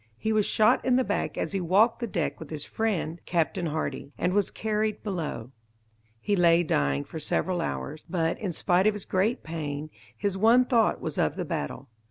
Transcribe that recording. He was shot in the back as he walked the deck with his friend Captain Hardy, and was carried below. He lay dying for several hours, but, in spite of his great pain, his one thought was of the battle.